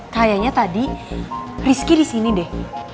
kayaknya tadi rizky di sini deh